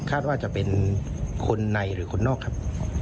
ว่าจะเป็นคนในหรือคนนอกครับ